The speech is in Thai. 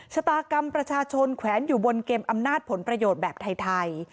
ชะตากรรมประชาชนแขวนอยู่บนเกมอำนาจผลประโยชน์แบบไทย